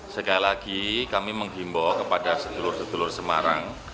sekali lagi kami mengimbau kepada sedulur sedulur semarang